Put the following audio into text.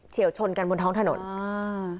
เฉี่ยวเชิญกันกันบนท้องถนตรี